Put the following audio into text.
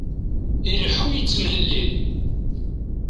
Ileḥḥu yettemlelli.